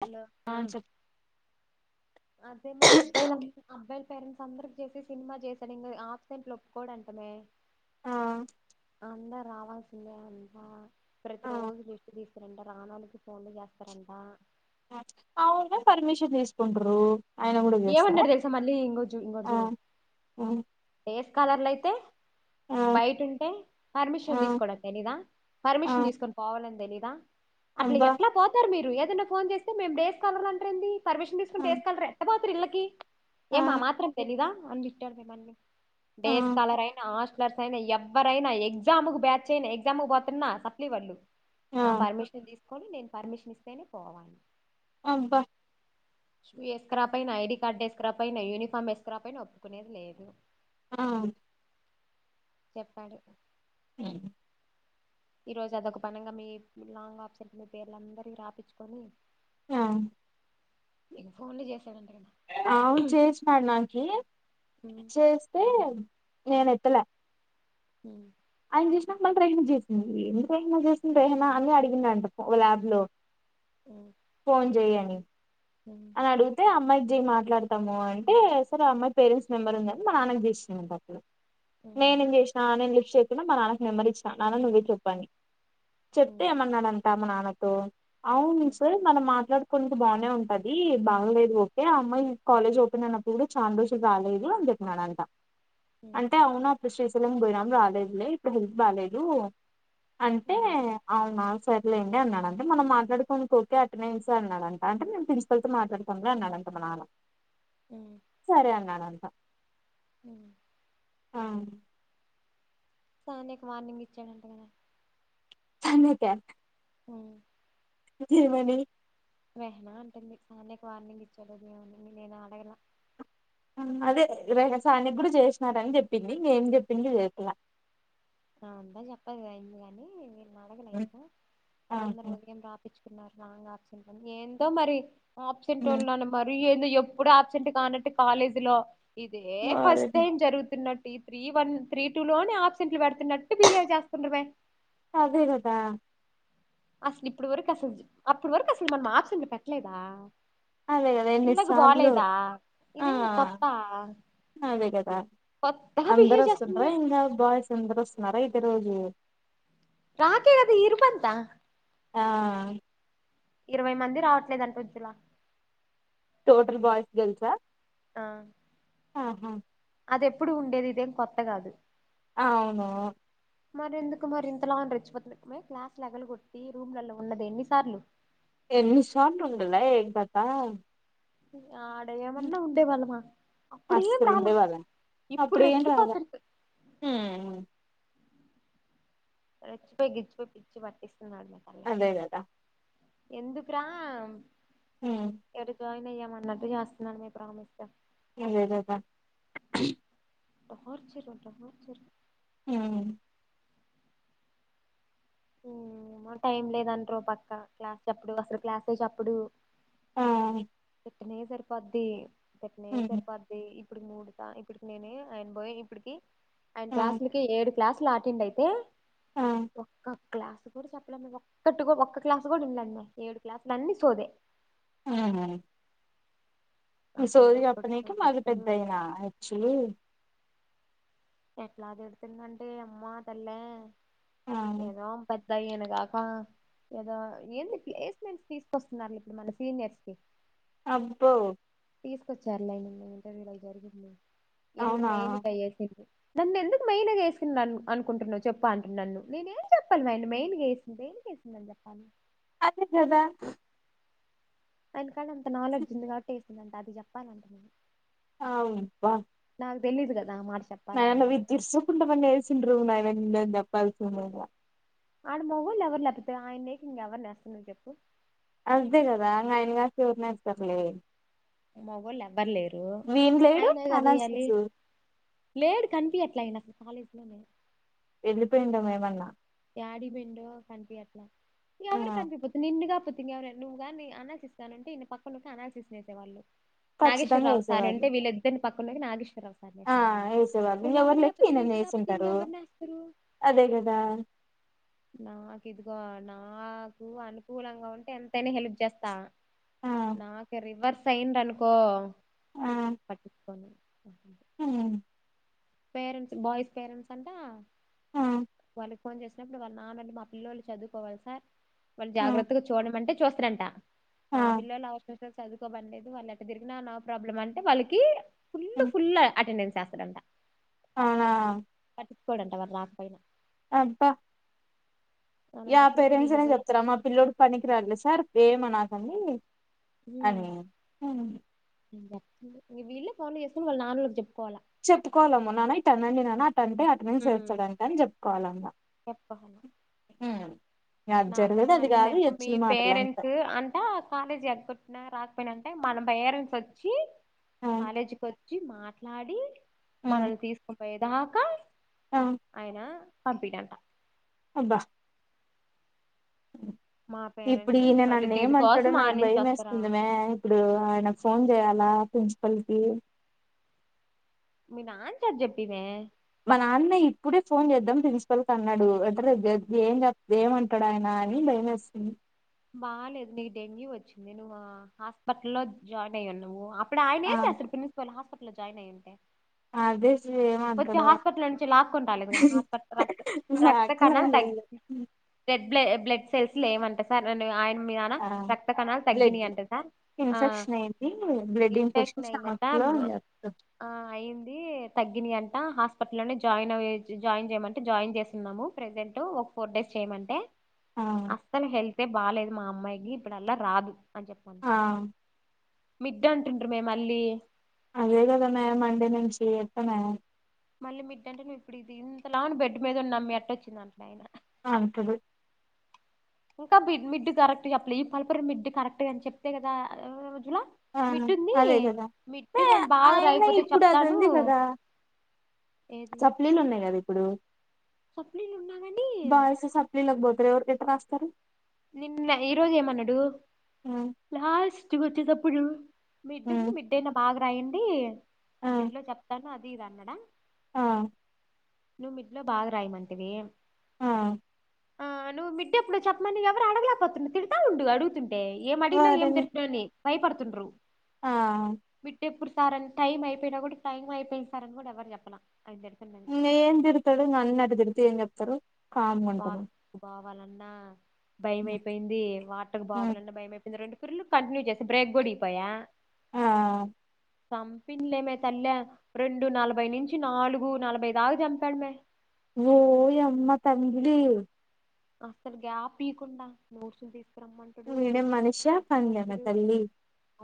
Hello ఆ అదే లే అబ్బాయిలం అబ్బాయిల పేరెంట్స్ అందరికి చేపి సినిమా చేశాడు ఇంకా ఆప్సెంట్లు ఒప్పుకోడంటమే ఆ అందా రావాస్ ఇంగ అంట ప్రతి రోజు లిస్ట్ తీస్తారంట రాణాలకి ఫోన్లు చేస్తారంట అ అవును పర్మిషన్ తీసుకుంట్రూ ఆయన కూడా చేస్తారా ఏమన్నాడు తెలుసా మళ్ళీ ఇంకో ఆ ఆ ఏస్ కలర్లయితే ఆ బయట ఉంటే ఆ పర్మిషన్ తీసుకోవడం తెలీదా ఆ పర్మిషన్ తీసుకొని పోవాలని తెలీదా అట్లా అబ్బా ఎట్లా పోతారు మీరు ఏదన్నా ఫోన్ చేస్తే మేము డేస్ కాలార్ అంట్రెంది పర్మిషన్ ఆ తీసుకుంటే వేసుకలరే ఎత్త పోతారు ఇళ్ళకి ఆ ఏమా మాత్రం తెలీదా అనిట్టారు మిమ్మల్ని ఆ డేస్ స్కాలర్ అయినా హాస్టలర్స్ అయినా ఎవరైనా ఎగ్జామ్ కు బ్యాచ్ అయినా ఎగ్జామ్ కు పోతున్నా ట్లీ వళ్ళు నా ఆ పర్మిషన్ తీసుకొని నేను పర్మిషన్ ఇస్తేనే పోవలా అబ్బ షూ వేసుకురా పైన ఐడి కార్డు వేసుకురా పైన యూనిఫామ్ వేసుకురా పైన ఒప్పుకునేది లేదు ఆ చెప్పాడు ఊ ఈ రోజు అదొక పనంగా మీ లాంగ్ ఆప్సెంట్ మీ పేర్లందరియి రాపిచ్చుకొని ఆ నీకు ఫోన్ లు చేస్ అవును చేసినడు నాకి ఉమ్, చేస్తే అబ్ నేను ఎత్తలే ఊ ఆయన చేసినా మమ్మల్ ట్రేహణ చేసింది ఎ ర్రేనా చేసింది ర్రహణ అని అడిగింది అంట ల్యాబ్ లో ఉమ్, ఫోన్ చెయ అని ఉమ్, అడిగితే ఆ అమ్మాయికి జి మాట్లాడతము అంటే సరే అమ్మాయి పేరెంట్స్ మెంబర్ ఉందని మా నాన్నకు చేసిండంట అతను ఉమ్, నేనేం చేసినా నేను లిఫ్ట్ చేకున్నా మా నాన్నకు నెంబర్ ఇచ్చిన నాన్న నువ్వే నువ్ ఇట్ల ఒత్తని చెప్తే ఉమ్, ఏమన్నాడంటా మా నాన్నకు అవును సార్ మనం మాట్లాడుకునేకి బానే ఉం అది బాగలేదు ఓకే ఆ అమ్మాయి కాలేజ్ ఓపెన్ అయినప్పుడు కూడా చాన్ రోజులు రాలేదు అని చెప్పినడ అంట ఉమ్, అంటే అవునా అప్పుడు శ్రీశైలం బయనాం రాలేదులే ఇప్పుడు హెల్త్ బాలేదు అంటే ఉమ్, అవునా స్ సర్లేండి అన్నాడంట మనం మాట్లాడుకోనికి ఓకే అటనన్స్ అన్నాడంట అంటే మేం పిలుస్ తరత మాట్లాడుతాం లే అన్నాడంట మా నాన్న సరే అన్నాడం ఊ ఆ సార్ నీకు వార్నింగ్ ఇచ్చాడంట కదా ఫ్యామిలీ ప్యాక్ మ్ ఏమని మెహనా అంటుంది సానియ కి వార్నింగ్ ఇచ్చారు అది ఏమని నేను అడగలా. అదే రెహ సానియ కూడ చేసినారని చెప్పింది ఇంగేం చెప్పిందో చెప్పలా. ఆఁ అంత చెప్పదు అయింది అనీ వీళ్ళనీ అడగలే ఇంక, అందరు ఆహా ఉదయం రాపిచ్చు కున్నారు రాంగ్ ఆప్సెంట్, ఏందో మరి ఆప్సెంటోళ్ళను మరి ఏందో ఎప్పుడు ఆప్సెంట్ కానట్టు కాలేజీ లో, ఇదే ఫస్ట్ టైం జరుగుతున్న ఈ త్రీ వన్, త్రీ టూ లోనే ఆప్సెంట్లు పడుతున్నట్టు బిహేవ్ చేస్తుండ్రుమే! అదే కదా! అసలు ఇప్పుడు వరకు అసలు, అప్పుడు వరకు అసలు మనం ఆప్సెంట్ పెట్ట్లేదా? అదే కదా ఎన్నిసార్లో ఇదేమన్నా ఆఁ కొత్త అదే కదా కొత్తగా అందరు బిహేవ్ చేస్తుంది వస్తుండ్రా మే ఇంగ బాయ్స్ అందరు వస్తున్నరా అయితే రోజు రాకే కదా ఇర్పంతా. ఆఁ ఇరవై మంది రావట్లేదంట వజ్జులా టోటల్ బాయ్స్ గర్ల్సా? ఆ ఆ హాఁ అది ఎప్పుడు ఉండేది ఇదేం కొత్త కాదు. అవును మరెందుకు మరి ఇంతలా అని రెచ్చిపోతుంది మేయ్ క్లాస్లు ఎగలు కొట్టి రూమ్లల్లో ఉన్నది ఎన్నిసార్లు. ఎన్ని సార్లు ఉండలే ఏం కథా ఆడ ఏమన్న ఉండే వాళ్ళమా. అస్సలు ఉండేవాళ్ళం అప్పుడేం రాల రెచ్చిపోతుంది మ్మ్ రెచ్చిపోయి గిచ్చిపోయి పిచ్చి పట్టిస్తున్నర్మే తల్లా అదే కదా ఎందుకురా ఉమ్ [unintelligible] జాయిన్ అయ్యాము అన్నట్టు చేస్తున్నరు మేయ్ ప్రామిస్గ అదేదెదె టార్చరు టార్చరు హ్మ్ మ్ ఏమో టైం లేదంట్రు ఓ పక్కా క్లాస్ చెప్పడు అసలు క్లాసే చెప్పడూ ఆఁ పొద్దున్నే సరిపొద్ది, పొద్దున్నే ఉమ్ సరిపొద్ది ఇ ఇప్పుడుకి మూడు సా ఇప్పుటికి నేను ఆయన బోయి ఇప్పటికి ఆయన ఆ క్లాస్ల్ లకి ఏడు క్లాసు లో అటెండ్ అయితే ఆఁ ఒక క్లాసు కూడ చెప్పలేమే, ఒక్కటి ఒక్క క్లాసు కూడ ఇన్లేమే ఏడు క్లాసులు అన్ని సోదే. మ్మ్ ఇంగ అసలు సోది చెప్పడు చెప్పనికే మళ్ళీ పెద్ద తిడతడు ఈయన ఎచ్చులూ ఎట్లా తిడుతుందంటే అమ్మా తల్లే, ఆ ఏదో పద్ రహిను గాకా ఏదో ఎందుకు ప్లేస్మెంట్స్ తీసుకొస్తున్నారు లే ఇప్పుడు మన సీనియర్స్ కి అబ్బో తీసుకొచ్చారులే ఆయనని ఇంటర్వ్యూలో అయి జరిగింది. ఎన్ని అవునా మెయిన్ కయేసి నన్ను ఎందుకు మెయిన్గా ఏసుకున్న అనుకుంటున్నవు చెప్పు అంటుండు నన్ను. నేనేం ఏం చెప్పలి మే మెయిన్గా ఏస్ దేనికి ఏసిందని జెప్పాలి అదే కదా ఆయన కాడ అంత నాలెడ్జ్ ఉంది కాబట్టి ఏసిండంట, అది చెప్పాలంట నేను. ఆయా బ్బ [unintelligible] చెప్పాలని న విదర్స కుండన్న [unintelligible] ఆడ మగ్ళ్ళ ఎవరు లపోతా ఆయన నకి ఇంక ఎవరు నేస్తస్తున్నారు్ చెప్పు [unintelligible] అస్దిే కదాంగా ఆయనగాసిఊర్నే తప్పలే [unintelligible] మోగొల్లు లే ఎవ్వర్లేరు లేడు ఆయనే కదేయ్యాలి అనాసిస్ లేడు కనిపి యట్లా అయినా కాలేజ్ లోనే వెళ్ళిపోయిండెం ఏమన్నా డా బెం కనిపి ఆ ఎవరు కనిపిపోతు నింగా [unintelligible] ఇంకవనా నువ్వు కానీ అనాల్సిస్తానంటే ఇన్ని పక్క నుే అనాల్సిినేసేవాళ్ళు [unintelligible] ఖచ్చితంగా నాగేశ్వరరావు సార్ వేసేవాళ్ళు అంటే వీళ్ళిద్దరిని పక్కనకి నాగేశ్వ ఇద్దరు ఒక సారి ఆ చేసేవాళ్ళు వేసేవాళ్ళు వాళ్ళు ఎవరూ ఇంకెవరు లెక్క లేకపోతే ఈయనని నిన్ను కాకపోతే ఇంగ వేసింటారు ఎవరిని వేస్తారు అదే కదా నా కిదిగో నాకు అనుకూలంగా ఉంటే ఎంతైనా హెల్ప్ చేస్తా ఆ నాకు రివర్స్ అయింది అనుకో పట్టించుకోను హ పేరెంట్స్ బాయ్స్ పేరెంట్స్ అంట ఆ వాళ్ళకి ఫోన్ చేసినప్పుడు వాళ్ళ నాన్న మా పిల్లోళ్ళు చదువుకోవాలి సార్ వాళ్ళు ఆ జాగ్రత్తగా చూడ మంటే చూస్తరంట ఆ మా పిల్లోల్లు అవసరం అయితే చదువుకో పనిలేదు వాళ్ళు ఎట్ట తిరిగినా నో ప్రాబ్లమ్ అంటే వాళ్ళకి ఫుల్ ఉమ్, ఫుల్ అటెండన్స్ వేస్తడంట అవునా చిప్పుకోవడంట వాారు రాకపోనా [unintelligible] అబ్బా యా అలాంటప్పుడు ఇంక పేరెంట్స్ వీళ్ళు అనే పోయి చెప్తారా మా పిల్ల్లోడుకి పనికి రాలేడు సార్ ఏమనాకండి హ్మ్ అనీ నేను వీళ్ళే ఫోన్లు చేసుకుని వాళ్ళ నాన్నొలకి చెప్పు చెప్పుకోవాలమ్మ నాన్న ఇట్ట అనండి నాన్న అట్ట అంటే అటెండెన్స్ ఉమ్. వెస్త డంట అని చెప్పుకోవాలంట [inaudible] హమ్ నాకని మండిదనుకో మీ మాటలు అంతే పేరెంట్స్ అంటా కాలేజీ ఎగ్గొట్టిన రా పోయినంటే మన పేరెంట్స్ వచ్చి కాలేజీకి వచ్చి మాట్లాడి మనల్ని తీసుకునిపోయేదాకా ఆయన పంపిడంట అబ్బా మ ఇప్పుడు ఈయన నన్ను ఏమంటడో నాకు ఆడ్నుంచి భయం వస్తారా వేస్తుందిమే ఇప్పుడు ఆయనకు ఫోన్ చేయాలా ప్రిన్సిపాల్ కీ మీ నాన్ చేత చెప్పినె మా నాన్న ఇప్పుడే ఫోన్ చేద్దాం ప్రిన్సిపల్ కన్నాడు అంటే రేపు ఏమంటాడు ఆయన కానీ భయమేస్తుంది బాలేదు నీకు డెంగ్యూ వచ్చింది నువ్వు హాస్పిటల్ లో జాయిన్ అయ్యి న్నావు ఇప్పుడు ఆ ఆయనెమ్ చేస్తడు ప్రన్సిపల్ హాస్పిటల్లో జాయిన్ అయ్యి ఉంటే అదే వచ్చి ఏమంటాడో హాస్పిటల్ నుంచి లాక్కుంటాలేదు హాస్పిటల్ రక్ రక్త నాకులా కణాలు తగ్ బ్ల బ్లడ్ సెల్స్ లేమంటా సార్ ఆయ ఆ బ్లడ్ సార్ ఆ ఇన్ఫెక్షన్ది బ్లడ్ ఇన్ఫెక్షన్ స్త [unintelligible] ఆ అయింది తగ్గిన అంట హాస్పిటల్ లోనే జాయిన్ అ జాయిన్ చేయమంటే జాయిన్ చేసున్నాము ప్రెజెంట్ ఒక ఫోర్ డేస్ చేయమంటే ఆ అస్సలు హెళ్తే బాలేదు మా అమ్మాయికి ఇప్పుడ అల్లా రాదు అని చెప్పమను ఆ మిడ్డు అంటుండే మే మళ్ళీ అదే కద మే మండే నుంచి ఎట్ట మే మళ్ళీ మీడ్డంటే నువ్ ఇప్పుడు ఇది ఇంతలా బెడ్ మీద ఉన్నమ్ మీ ఎట్ట వచ్చింది అంటడు ఆయన అంతది ఇంకా బిడ్ మిడ్డు కరెక్ట్గా అ పల్పడి మిడ్డు కరెక్ట్గాని చెప్తే కదా రోజుల ఆ మిడ్ ఉంది అదే కదా మిడ్ కాని బాగా ఆయన రాయకపోతే ఇప్పుడు అది చెప్తాను ఉంది కదా ఏది సప్లయస్ ఉన్నాయి కద సప్లీలు ఉన్నా కాని బాయ్స్ సప్లయస్ కీ పోతారు ఎవరు ఎట్టల రాస్తారు నిన్న ఈరోజుమన్నాడు ఉమ్, లాస్ట్ వచ్చే తప్పుడు మిడ్డు ఉమ్, మిడ్డ అయినా బాగా రాయండి మిడ్లో చెప్తాను అది ఇద అన్నడా హ నువ్ మిడ్లో బాగా రాయమంటివి ఆ ఆ నువ్వు మిడ్డు అప్పుడు చెప్పమడానికి ఎవరు అడగలేపోతున్నా తితా ఉడువు అడుగుతుంటే ఏం అడిగినా ఏం వారిని దిని భయపడుతుండ్ర ఆ మిట్టె ఆపు సారని టైం అయిపోయినా కూడా టైం అయిపోయిస్తారని కూడా ఎవరు చెప్పన ఏం తిరుతాడు నన్న అటు తిరుతే ఏం చెప్తాడు కామ్ గా ఉంటారు కావాలన్నా భయ అయిపోయింది వాటకు బావాలన్నా భయయిపో రెండు పిర్లు కంటిన్యూ చేస్త బ్రేక్ కూడాడిగిపోయా ఆ చంపిందిలేమే తల్లి రెండు నలభై నుంచి నాలుగు నలభై దాకా చంపాడుమే ఓ అమ్మా తంగలి అసలు గ్యాప్కుండా నూర్ చ ఇడ మనుష్య పజన తల్లి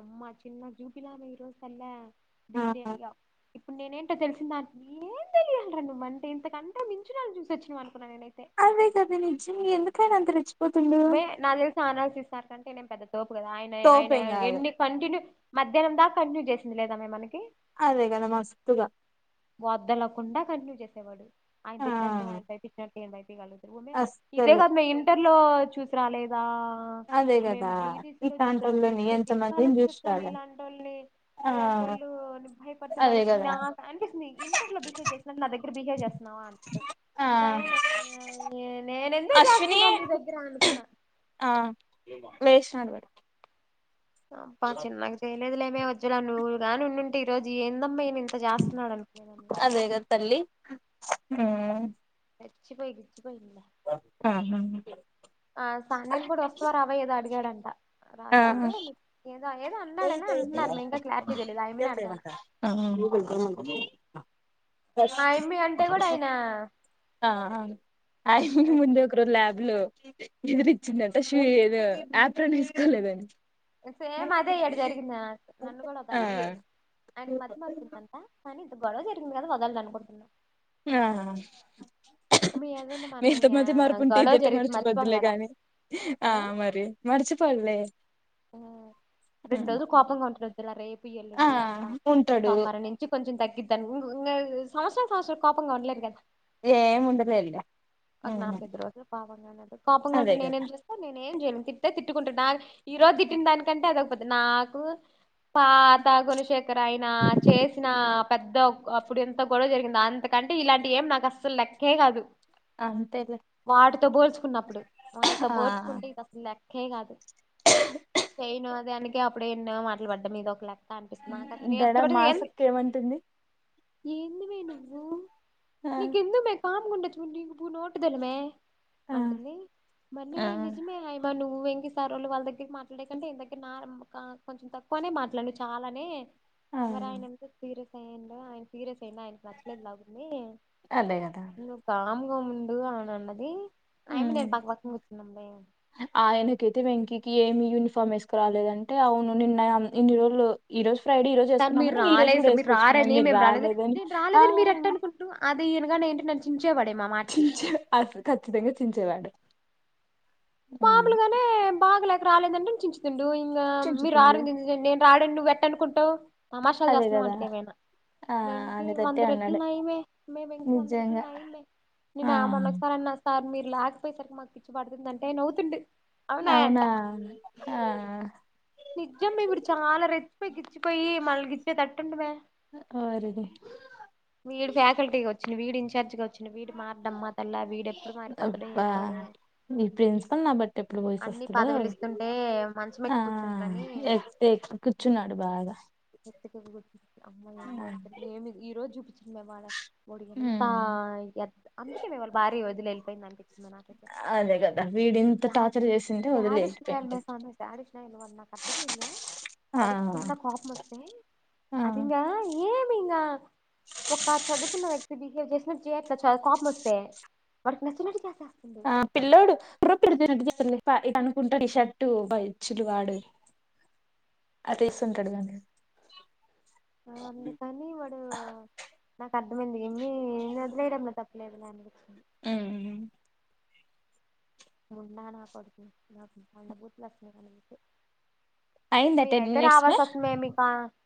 అమ్మా చిన్న జూపిలామె రోస్ల్ల ఆ బీడి అయ్య ఇప్పుడు నేనేంటో తెలిసిన దానికి ఏం తెలియలరా నువ్వ అంటే ఇంతకంటే మించు వాలని చూసి వచ్చిన మనకు అదై అదే నిజ్ం ఎందుకైనా అంత రెచ్చి మె నా తెలిసి అనాలసిస్ సార్ కంటే నేను పెద్ద తోపు కదా ఆయన ఆయన తోపేం కాదు ఎన్ని కంటిన్య మధ్యానం దాక కంటిన్యూ చేసింది లేదా మనకి అదే కద మస్తుగా వద్దనకుండా కంటిన్యూ చేసేవాడు ఆయన ఆ పెట్టినట్టు ఆయన పై తిట్టినట్టు ఎమ్ ఇదే అస్సలు కాదు మే ఇంటర్ లో చూసి రాలేదా ఆ అదే మేము కదా పిటీసీలో ఇట్లాంటోళ్ళని చూసొచ్చినేటి ఎంత దిక్కాలో మందిని చూసొచ్చినాము మే చూసిరాలే ఇలాంటి వాళ్ళని ఆ ఇలాంటి వొళ్ళు భయపడితే భయ అదే కదా నా [unintelligible] ఇంటర్ లో బిహేవ్ చేసినట్టు నా దగ్గర బిహేవ్ చేస్తున్నావా అంటాది ఆ నైనా న నేను ఎందుకు అశ్విని చేసుకుంటా నీ దగ్గర అనుకున్నా ఆ లేేసినాడు వాడు అబ్బా చిన్నగ చేయలేదులేవే వజ్జల నువ్వు గానీ ఉండింటే ఈ రోజు ఏందమ్మా ఈ అదేగ తల్లి హమ్ రెచ్చిపోయి ఆహా ఆ సానియా ని కూడా వస్తావొ రావొ ఏదో అడిగాడంట ఆ రాకపోతే ఏదో ఏదో అన్నాడనే అంటున్నారు ఇంకా క్లారిటీ తెలీదు ఆయిమ్మిని అడగాల [unintelligible] ఆయమ్మి అంటే కూడా [unintelligible] ఆయన ఆ ఆ [unintelligible] ముంది ఒక రోజు ల్యాబ్ లో ఎదురిచ్చిందంట షూ ఏదో యాప్రాన్ ఏసుకోలేదని సేమ్ అదే ఇ్యడు జరిగింది నల్లు కూడా ఆ ఒకదలిటింది ఆయన ఆయనకి మద్ద్య మార్పుందంటా కానీ ఇది గొడవ జరిగింది కదా వదలాల అనుకుంటున్నాం ఆ [unintelligible] మనం మిగత మధ గొడవ మరుపుంటిది అట్ట జరిగితే మర్చిపోం మడిచిపోద్దులే కదా కాగానీ ఆ మరి మర్చిపో ల్లే రెండ్రోజులు కోపంగా ఉంటడు తెల్ల రేపు ఆ యల్లుండి అంతా ఉంటాడు సోమవారం నుంచి కొంచెం తగిద్ది ఇమ్ ఇంగా సంవత్సరాలు సంవత్సరాలు కోపంగా ఉండ్లేరు గదా ఏముండలేర్లే కోపంగా ఉంటే అదే కదా నేనేం చేస్తా నేన్ నేమ్ జయలెన్ తిట్ట్తే తిట్టుకుంటడు నా ఈ రోజు తిట్టిన్ దానికంటే [unintelligible] పోద్ది నాకు పాత గుణశేఖర్ ఆయన చేసిన అప్ పెద్ద అప్పుడు ఎంత గొడవ జరిగింది అంతకంటే ఇలాంటి ఏం నాకస్సలు లెక్కే కాదు అంతేలే వాటితో పోల్చుకున్నప్పుడు, వాళ్ళతో ఆ పోల్చుకుంటే ఇది అసలు లెక్ ఏం కాదు, చెయ్యనిదానికి ఎప్పుడెన్నో మాట్లు పడ్డా, ఇదొకలెక్కా. తనిపిస్ దడ మా మాసక్ ఏమంటుంది [unintelligible] ఏంది మే నువ్వు, ఆ నీకెందుకు మే కామ్ గా ఉండొచ్చుగా, నీకు భలే నోటుదూల మే ఆ అంటుంది మల్లీ నిజమే ఏమ ను నువ్వు, ఎన్ని సార్లు వాళ్ళ దగ్గర మాట్లాడే కంటే దగ్గర కొంచెం తక్కువనే మాట్లాడ నువ్వు చాలానే. ఆ మరి ఆయన ఎంత సీరియస్ అయ్యిండో, ఆయన సీరియస్ నేను ఆయనకి నచ్చలేదులాగుంది. అదే కదా నువ్వు కామ్గా ఉండు అని అన్నది. అయమ్మీ, ఉమ్ నేను పక్క పక్కనే కూర్చుంటే. ఆయనకైతే వెంకీకి, ఏమి యూనిఫామ్ వేసుకురాలేదంటే, అవును నిన్న ఇన్ని రోజులు ఈ రోజు. ఫ్రైడే ఈ రోజు తను మీరు వేసుకున్నామని ఈ రోజు కూడా రాలేదు మీరు వేసుకొచ్చుకున్నాం. రారని మీరు మేము రాలేదు రాలేదని నేను ఆ. రాలేదని మీరు ఎట్ట అనుకుంట్రు అది ఈనగాని ఏంటి నన్ను చించేవాడే మా మాటకి చించే అసలు ఖచ్చితంగా చించేవాడు. ఉమ్ మాములుగానే బాగాలేక రాలేదంటేనే చించుతుండు ఇంకా మీరు చించుతుండు రారేదు ఎందుకు అండీ అని రాడనీ నువ్వు ఎటుకుంటావు తమాషాలు అదే చేస్తున్నావు కదా అంటా నిమీద ఆ వెంకీ అనేటట్టే వంద రెట్లు అన్నాడు నయమే మేమింకా వంద రెట్లు నిజంగా నయమే ఆ నేను అమోన్న ఒకసారి అన్న సార్ మీరు లేకపోయసరికి మాకు పిచ్చి పడుతుంది అంటే నవ్వుతుండు అవునాయంట అవునా ఆ నిజం ఇప్పుడు చాలా రె ఇచ్చిపోయి మళ్ళ గ ఇచ్చే తట్టుండవే ఓరిని మీడు ఫ్యాకల్టీకి వచ్చ వచ్చిన వీడి ఇన్ఛార్జ్ గా వచ్చింది వీడి మారడం మా తల్లా వీడ ఎప్పుడు మారిపోతాడు ఏం పాడు చె నా బట్టి ఎప్పుడు పోయస వస్తుడు మంచం ఆ ఎక్కి కూర్చుంటారని ఎక్ ఎక్ కూర్చున్నాడు బాగా ఎతి గుర్ అమ్మాయి ఎడతారు ఏమి ఈరో జు చూపించింది మేమ్ వాడ మడి ఎంత అందుకే మేమ్మల్ళ భారీ రోజులు వెళ్ళిపోయింది అకే మనాకప్ప వీడింత టాచర్ చేసి శ అడిష్ నయల్ మ సా అడిష్ నయల్ వ అర్థమ ఇల్ ఆ వాడకి చిన్న కోపం వస్తే అదింగా ఏమిగా ఉక్క చదుకు వక్ బిహేవ్ చేస్తున కామ్ వస్త మ నస్త ఆ పిల్లోడు ఇ పెడుతుటుస్తుడి ఇ అనుకుంటా షర్టు బచ్చులు వాడు అ తీస్తుంటాడు కాగానీ ఆ అ తనీవడు అర్థమైంది ఏమి వదిలేయడంలో తప్పులేదు నాని ఊ మొన్నా నా [inaudible] నాకు బూతులు [inaudible] అయిందా మీర్ టెన్ అయితే మినిట్స్ మే రావాల్సొస్తుందే మీక్ పా